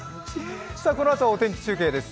このあとはお天気中継です。